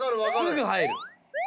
すぐ入る。